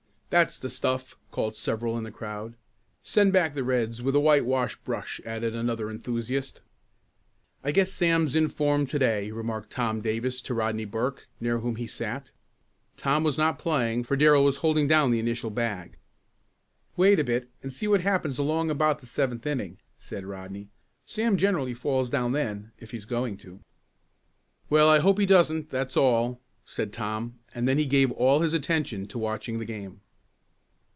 "That's the stuff!" called several in the crowd. "Send back the Reds with a whitewash brush," added another enthusiast. "I guess Sam's in form to day," remarked Tom Davis to Rodney Burke near whom he sat. Tom was not playing, for Darrell was holding down the initial bag. "Wait a bit and see what happens along about the seventh inning," said Rodney. "Sam generally falls down then if he's going to." "Well, I hope he doesn't, that's all," said Tom, and then he gave all his attention to watching the game.